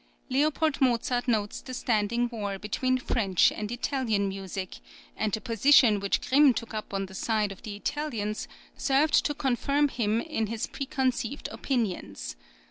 L. Mozart notes the standing war between French and Italian music, and the position which Grimm took up on the side of the Italians served to confirm him in his preconceived opinions.